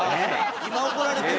今怒られてる。